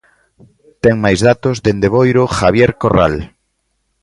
Ten máis datos, dende Boiro, Javier Corral.